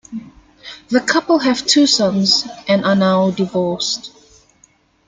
The couple have two sons, and are now divorced.